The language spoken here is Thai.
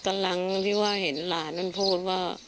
กำลังที่ว่าเห็นหลานนั้นพูดว่า